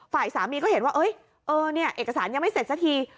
ฝ่ายสามีก็เห็นว่าเออเนี่ยเอกสารยังไม่เสร็จสักที